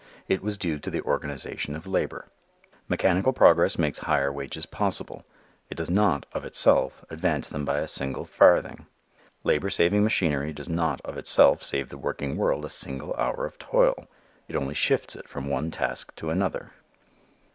It was due to the organization of labor. Mechanical progress makes higher wages possible. It does not, of itself, advance them by a single farthing. Labor saving machinery does not of itself save the working world a single hour of toil: it only shifts it from one task to another.